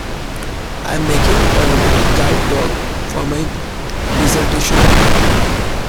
I'm making a robotic guide dog for my dissertation.